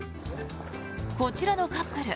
こちらのカップル。